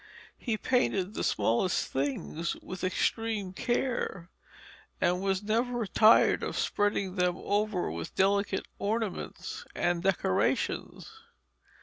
He painted the smallest things with extreme care, and was never tired of spreading them over with delicate ornaments and decorations.